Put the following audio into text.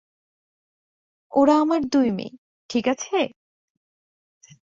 ওরা আমার দুই মেয়ে, ঠিক আছে?